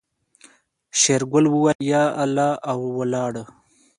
شېرګل وويل يا الله او ولاړ.